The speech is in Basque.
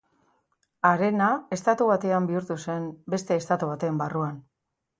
Harena estatu batean bihurtu zen beste estatu baten barruan.